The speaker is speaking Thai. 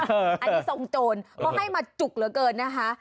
อันนี้ทรงโจรเขาให้มาจุกเหลือเกินนะคะ